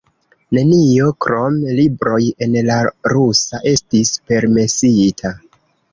Nenio, krom libroj en la rusa, estis permesita.